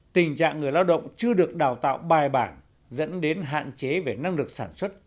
tình trạng người lao động chưa được đào tạo bài bản dẫn đến hạn chế về năng lực sản xuất